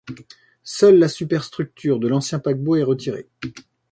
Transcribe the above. Seule la superstructure de l'ancien paquebot est retirée.